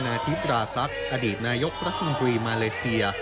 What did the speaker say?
นาธิปราศักดิ์อดีตนายกรัฐมนตรีมาเลเซีย